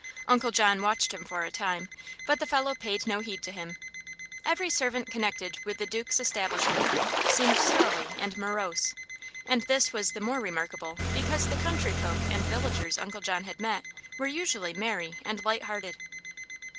Uncle John watched him for a time, but the fellow paid no heed to him. Every servant connected with the duke's establishment seemed surly and morose, and this was the more remarkable because the country folk and villagers Uncle John had met were usually merry and light hearted.